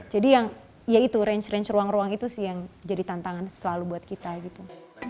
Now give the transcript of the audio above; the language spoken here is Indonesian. jadi yang ya itu range range ruang ruang itu sih yang jadi tantangan selalu buat kita gitu